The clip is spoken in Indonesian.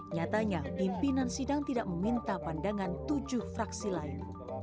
nyatanya pimpinan sidang tidak meminta pandangan tujuh fraksi lain